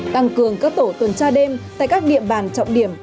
tăng cường các tổ tuần tra đêm tại các địa bàn trọng điểm